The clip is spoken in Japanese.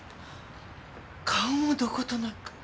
顔もどことなく。